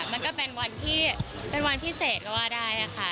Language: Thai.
มันก็เป็นวันที่เป็นวันพิเศษก็ว่าได้ค่ะ